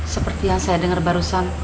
seperti yang saya dengar barusan